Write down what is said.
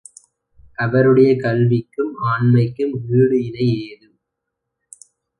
அவருடைய கல்விக்கும் ஆண்மைக்கும் ஈடு இணை ஏது?